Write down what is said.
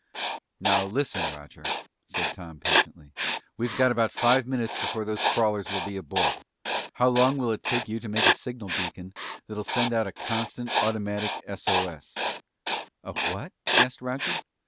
"Now, listen, Roger," said Tom patiently, "we've got about five minutes before those crawlers will be aboard. How long will it take you to make a signal beacon that'll send out a constant automatic SOS?" "A what?" asked Roger.